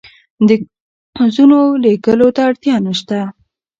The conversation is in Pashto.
د کاغذونو لیږلو ته اړتیا نشته.